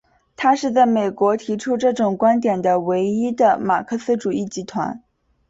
它是在美国提出这种观点的唯一的马克思主义集团。